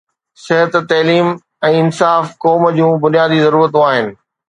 صحت، تعليم ۽ انصاف قوم جون بنيادي ضرورتون آهن.